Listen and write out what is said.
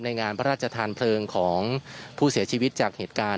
งานพระราชทานเพลิงของผู้เสียชีวิตจากเหตุการณ์